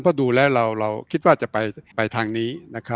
เพราะดูแล้วเราคิดว่าจะไปทางนี้